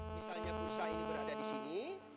misalnya bursa ini berada di sini